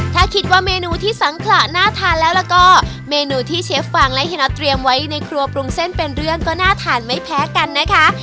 ถ้าคิดว่าเมนูที่สังขระน่าทานแล้วแล้วก็เมนูที่เชฟฟังและเฮีน็อตเตรียมไว้ในครัวปรุงเส้นเป็นเรื่องก็น่าทานไม่แพ้กันนะคะ